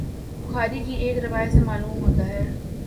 بخاری کی ایک روایت سے معلوم ہوتا ہے